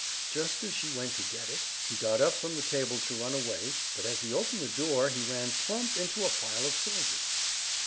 Just as she went to get it he got up from the table to run away, but as he opened the door he ran plump into a file of soldiers.